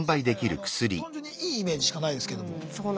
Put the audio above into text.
だから単純にいいイメージしかないですけども。